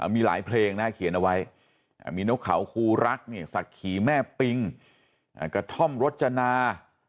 มีหลายเพลงนะเขียนเอาไว้มีนกเขาคูรักศักดิ์ขีแม่ปิงกระท่อมรจนา